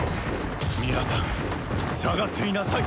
皆さん下がっていなさい。